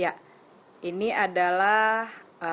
ya ini adalah